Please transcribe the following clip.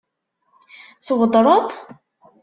Tweddṛeḍ-t?